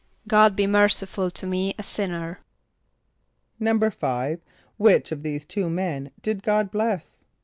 ="God be merciful to me a sinner."= =5.= Which of these two men did God bless?